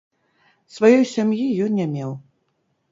Сваёй сям'і ён не меў.